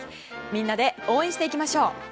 みんなで応援していきましょう。